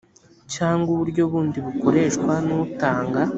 cyangwa uburyo bundi bukoreshwa n utanga